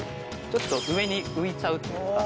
ちょっと上に浮いちゃうというか。